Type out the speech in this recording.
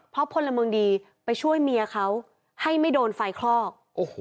เพราะพลเมืองดีไปช่วยเมียเขาให้ไม่โดนไฟคลอก